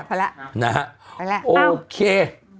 ไปแล้วนะฮะโอเคไปแล้ว